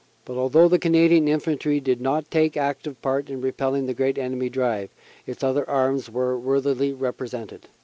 But although the Canadian Infantry did not take active part in repelling the great enemy drive, its other arms were worthily represented.